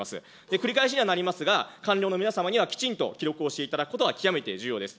繰り返しにはなりますが、官僚の皆様にはきちんと記録をしていただくことが極めて重要です。